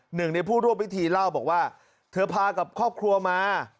หนึ่งในผู้ร่วมพิธีเล่าบอกว่าเธอพากับครอบครัวมา